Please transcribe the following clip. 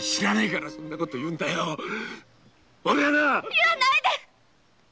言わないで！